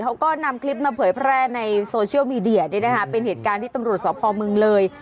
เขาก็นำคลิปมาเผยแพร่ในโซเชียลมีเดียนี่นะคะเป็นเหตุการณ์ที่ตำรวจสพเมืองเลย